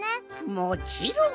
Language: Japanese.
もちろん！